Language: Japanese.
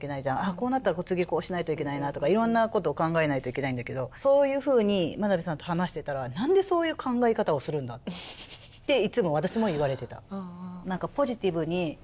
こうなったら次こうしないといけないなとかいろんなことを考えないといけないんだけどそういうふうに眞鍋さんと話してたら何でそういう考え方するんだっていつも私も言われてた。